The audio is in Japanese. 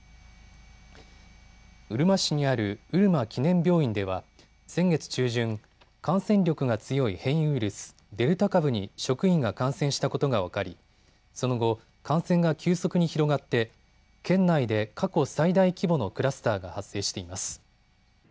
うるま市にあるうるま記念病院では先月中旬、感染力が強い変異ウイルス、デルタ株に職員が感染したことが分かりその後、感染が急速に広がって県内で過去最大規模のクラスターが発生しています。